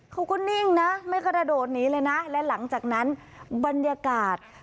เขาก็นิ่งนะไม่กระโดดหนีเลยนะและหลังจากนั้นบรรยากาศ